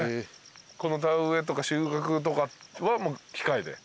田植えとか収穫とかは機械で？